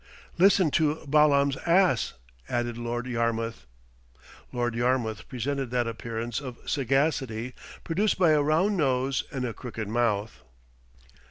"Listen to Balaam's ass," added Lord Yarmouth. Lord Yarmouth presented that appearance of sagacity produced by a round nose and a crooked mouth.